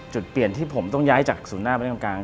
จุดเปลี่ยนที่ผมต้องย้ายจากศูนย์หน้าไปทางกลาง